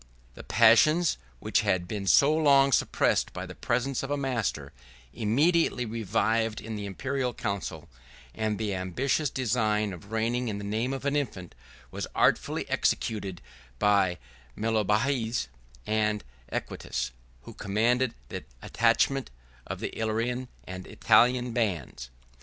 The passions, which had been so long suppressed by the presence of a master, immediately revived in the Imperial council; and the ambitious design of reigning in the name of an infant, was artfully executed by Mellobaudes and Equitius, who commanded the attachment of the Illyrian and Italian bands.